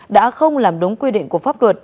đã không làm đúng quy định của pháp luật